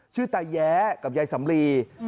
ชื่อตายแยะกับยายสำลี